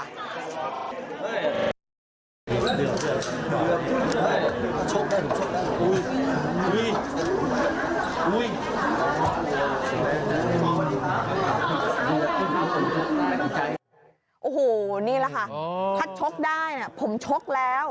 อันนี้นะคะถ้าช็อตได้ผมช็อตแล้ว